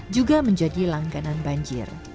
juga menjadi langganan banjir